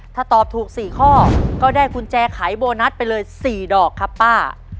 ถ้าตอบถูก๔ข้อก็ได้กุญแจขายโบนัสไปเลย๔ดอกครับป้า